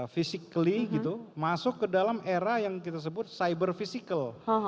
physically gitu masuk ke dalam era yang kita sebut cyber physical